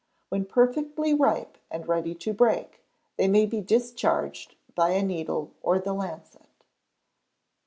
When perfectly ripe and ready to break, they may be discharged by a needle or the lancet.